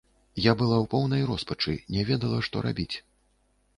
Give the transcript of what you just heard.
Я была ў поўнай роспачы, не ведала, што рабіць.